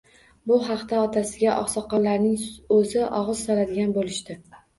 Bu haqda otasiga oqsoqollarning o`zi og`iz soladigan bo`lishdi